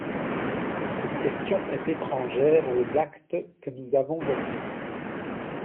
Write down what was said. Cette question est étrangère aux actes que nous avons votés.